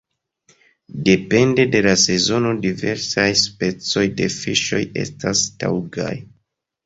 Depende de la sezono diversaj specoj de fiŝoj estas taŭgaj.